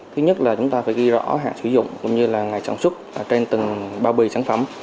thứ nhất là chúng ta phải ghi rõ hàng sử dụng cũng như là ngày sản xuất trên từng bao bì sản phẩm